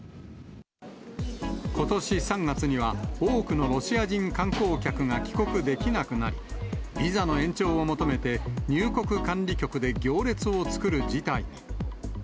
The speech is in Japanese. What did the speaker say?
ことし３月には、多くのロシア人観光客が帰国できなくなり、ビザの延長を求めて、入国管理局で行列を作る事態に。